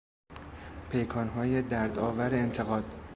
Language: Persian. پیکانهای دردآور انتقاد